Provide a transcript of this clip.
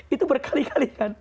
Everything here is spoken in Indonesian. itu berkali kali kan